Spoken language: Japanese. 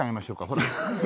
ほら。